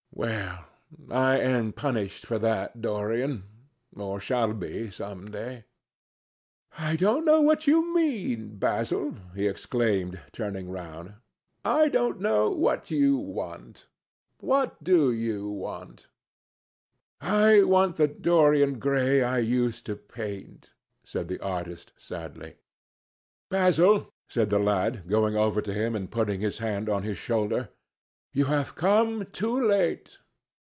"Well, I am punished for that, Dorian—or shall be some day." "I don't know what you mean, Basil," he exclaimed, turning round. "I don't know what you want. What do you want?" "I want the Dorian Gray I used to paint," said the artist sadly. "Basil," said the lad, going over to him and putting his hand on his shoulder, "you have come too late.